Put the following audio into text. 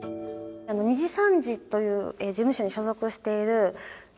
「にじさんじ」という事務所に所属している壱